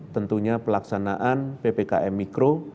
tentunya pelaksanaan ppkm mikro